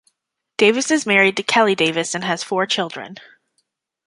Davis is married to Kelly Davis and has four children.